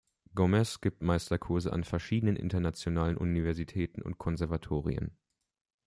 Gomez gibt Meisterkurse an verschiedenen internationalen Universitäten und Konservatorien.